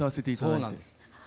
そうなんですよ。